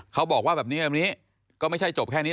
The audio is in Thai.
เขาบอกว่าแบบนี้แบบนี้ก็ไม่ใช่จบแค่นี้